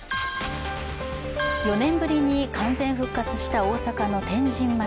４年ぶりに完全復活した大阪の天神祭。